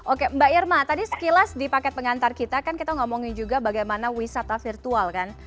oke mbak irma tadi sekilas di paket pengantar kita kan kita ngomongin juga bagaimana wisata virtual kan